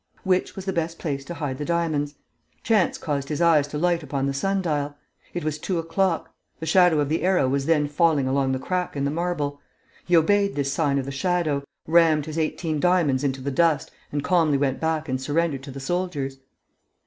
Which was the best place to hide the diamonds? Chance caused his eyes to light upon the sun dial. It was two o'clock. The shadow of the arrow was then falling along the crack in the marble. He obeyed this sign of the shadow, rammed his eighteen diamonds into the dust and calmly went back and surrendered to the soldiers."